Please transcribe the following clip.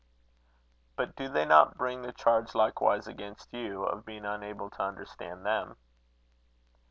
"But do they not bring the charges likewise against you, of being unable to understand them?"